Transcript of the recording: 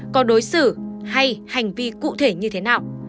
có đối xử hay hành vi cụ thể như thế nào